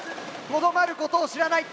とどまることを知らない。